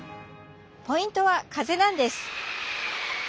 ポイントは風なんです。